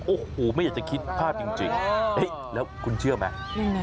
โอ้โหไม่อยากจะคิดภาพจริงแล้วคุณเชื่อไหม